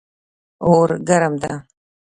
اور ګرم ده